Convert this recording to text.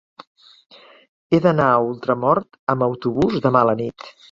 He d'anar a Ultramort amb autobús demà a la nit.